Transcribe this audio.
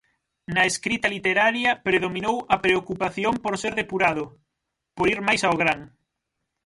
Na escrita literaria predominou a preocupación por ser depurado, por ir máis ao gran.